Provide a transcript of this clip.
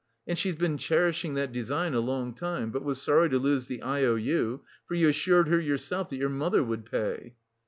And she's been cherishing that design a long time, but was sorry to lose the I O U, for you assured her yourself that your mother would pay."